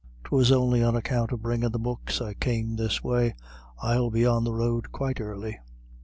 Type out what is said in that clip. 'Twas on'y on account of bringin' the books I came this way. I'll be on the road quite early."